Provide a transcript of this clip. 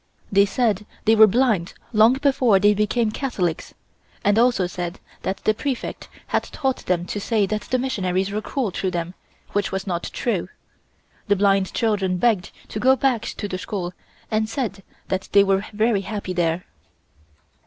They said they were blind long before they became Catholics, and also said that the Prefect had taught them to say that the missionaries were cruel to them, which was not true. The blind children begged to go back to the school and said that they were very happy there.